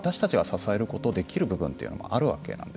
私たちが支えることできる部分もあるわけです。